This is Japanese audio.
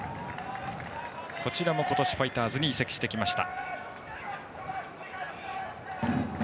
こちらも今年ファイターズに移籍してきました。